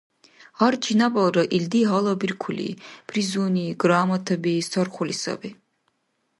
Гьар чинабалра илди гьалабиркули, призуни, Грамотаби сархули саби.